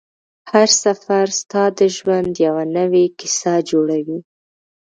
هر سفر ستا د ژوند یوه نوې کیسه جوړوي